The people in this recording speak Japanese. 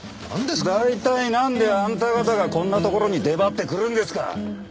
大体なんであんた方がこんなところに出張ってくるんですか？